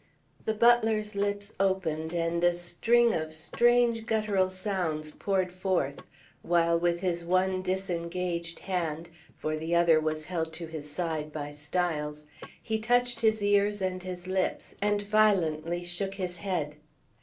The butler's lips opened and a string of strange gutturals poured forth, while with his one disengaged hand (for the other was held to his side by Styles) he touched his ears and his lips, and violently shook his head.